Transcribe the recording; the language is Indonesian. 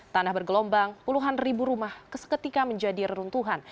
tanah bergelombang puluhan ribu rumah seketika menjadi reruntuhan